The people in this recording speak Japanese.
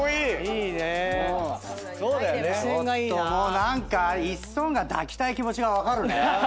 何かイッソンが抱きたい気持ちが分かるね。